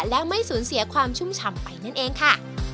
และไม่สูญเสียความชุ่มชำไปนั่นเองค่ะ